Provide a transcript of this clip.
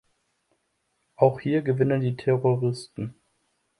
Auch hier gewinnen die Terroristen.